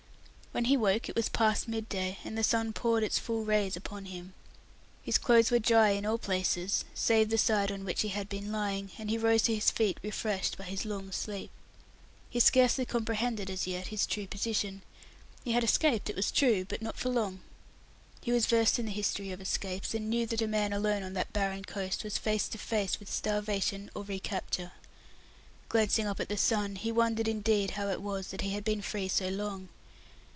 When he woke it was past midday, and the sun poured its full rays upon him. His clothes were dry in all places, save the side on which he had been lying, and he rose to his feet refreshed by his long sleep. He scarcely comprehended, as yet, his true position. He had escaped, it was true, but not for long. He was versed in the history of escapes, and knew that a man alone on that barren coast was face to face with starvation or recapture. Glancing up at the sun, he wondered indeed, how it was that he had been free so long.